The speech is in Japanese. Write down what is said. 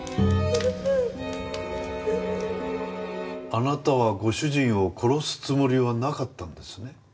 あなたはご主人を殺すつもりはなかったんですね？